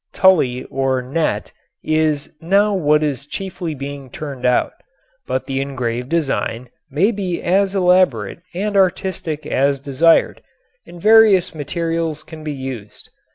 Tulle or net is now what is chiefly being turned out, but the engraved design may be as elaborate and artistic as desired, and various materials can be used.